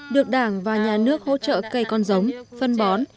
được đảng và nhà nước hỗ trợ cây con giống phân bón